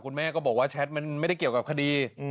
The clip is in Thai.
คุณแม่ก็บอกว่าแชทมันไม่ได้เกี่ยวกับคดี